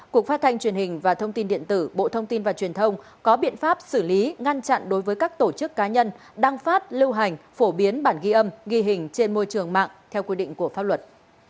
cục phát thanh truyền hình và thông tin điện tử bộ thông tin và truyền thông có biện pháp xử lý ngăn chặn đối với các tổ chức cá nhân đăng phát lưu hành phổ biến bản ghi âm ghi hình trên môi trường mạng theo quy định của pháp luật